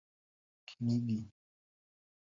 Kinigi